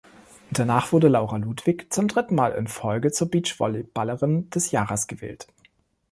Danach wurde Laura Ludwig zum dritten Mal in Folge zur Beachvolleyballerin des Jahres gewählt.